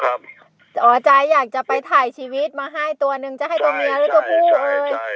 ครับอ๋อจ้ายอยากจะไปถ่ายชีวิตมาให้ตัวหนึ่งจะให้ตัวเมียหรือตัวผู้ใช่ใช่